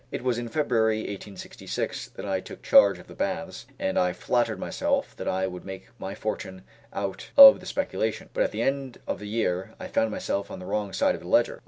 It was in February, 1866, that I took charge of the baths, and I flattered myself that I would make my fortune out of the speculation; but at the end of the year I found myself on the wrong side of the ledger.